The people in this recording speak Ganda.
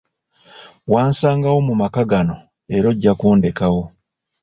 Wansangawo mu maka gano era ojja kundekawo.